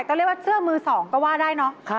ก็เรียกว่าเสื้อมือสองก็ว่าได้เนอะ